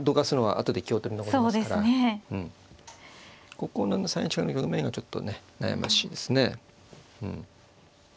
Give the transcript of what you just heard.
ここの３一角の局面がちょっとね悩ましいですね。